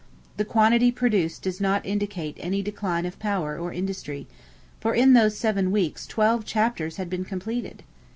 The quantity produced does not indicate any decline of power or industry, for in those seven weeks twelve chapters had been completed.